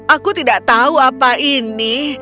aku tidak tahu apa ini